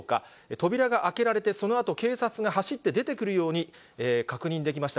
扉が開けられて、そのあと、警察が走って出てくるように確認できました。